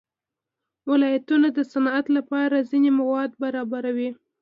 ولایتونه د صنعت لپاره ځینې مواد برابروي.